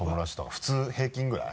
普通平均ぐらい？